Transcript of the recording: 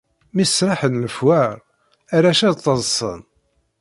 Mi sraḥen lefwaṛ, arrac ad ttaḍsan.